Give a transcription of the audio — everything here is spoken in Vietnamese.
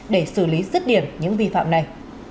để xử lý dứt điền những vi phạm này